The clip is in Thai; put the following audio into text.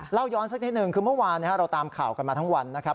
เล่าย้อนสักนิดหนึ่งคือเมื่อวานเราตามข่าวกันมาทั้งวันนะครับ